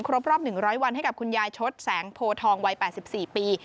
ครบรอบ๑๐๐วันให้กับคุณยายชดแสงโพทองวัย๘๔ปี